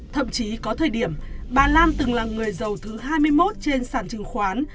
thậm chí có thời điểm bà lan từng là người giàu thứ hai mươi một trên sản trừng khoán